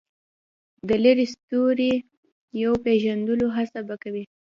د لرې ستوریو د پېژندلو هڅه به کوي.